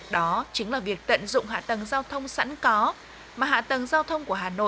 đó chính là việc tận dụng hạ tầng giao thông sẵn còn